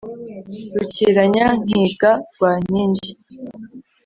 rukiranya-nkiga rwa nkingi